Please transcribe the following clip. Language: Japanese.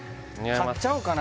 買っちゃおうかな？